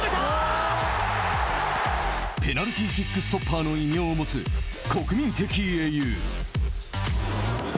ペナルティーキック・ストッパーの異名を持つ国民的英雄。